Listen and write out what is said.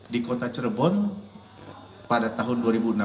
di kota cirebon pada tahun dua ribu enam belas